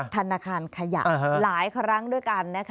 ธนาคารขยะหลายครั้งด้วยกันนะคะ